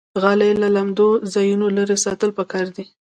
غالۍ له لمدو ځایونو لرې ساتل پکار دي.